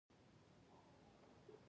اس په ځغلولو کې لومړی مقام وګاټه.